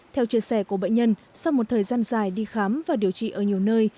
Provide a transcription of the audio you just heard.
theo chia sẻ của bệnh nhân sau một thời gian dài đi khám và điều trị ở nhiều nơi